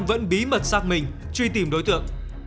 vẫn bí mật sát mình truy tìm đối tượng